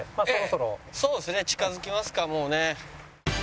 そうですね近づきますかもうね。